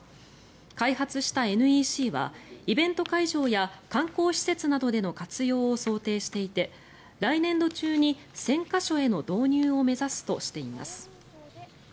開発したＮＥＣはイベント会場や観光施設などでの活用を想定していて来年度中に１０００か所への導入を目指すとしています。